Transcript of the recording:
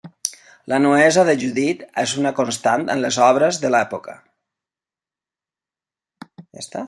La nuesa de Judit és una constant en les obres de l'època.